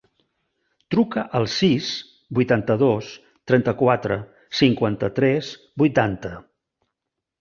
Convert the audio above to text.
Truca al sis, vuitanta-dos, trenta-quatre, cinquanta-tres, vuitanta.